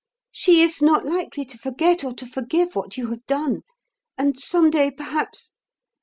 "She is not likely to forget or to forgive what you have done; and some day, perhaps